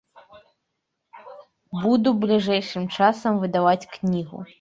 Буду бліжэйшым часам выдаваць кнігу.